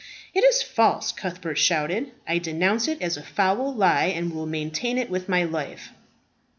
"It is false!" Cuthbert shouted. "I denounce it as a foul lie, and will maintain it with my life."